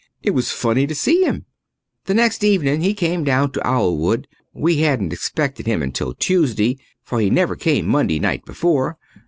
It was funny to see him. The very next evening he came down to Owlwood. We hadn't expected him until Tuesday, for he never came Monday night before.